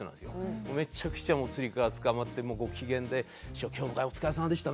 めちゃくちゃもうつり革つかまってご機嫌で「師匠今日の会お疲れさまでした」